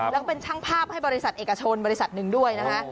แล้วก็เป็นช่างภาพให้บริษัทเอกชนบริษัทหนึ่งด้วยนะคะ